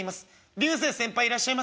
流星先輩いらっしゃいますか？」。